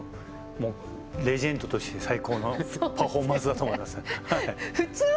レジェンドとして最高のパフォーマンスだと思います。